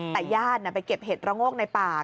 แต่ญาติไปเก็บเห็ดระโงกในป่า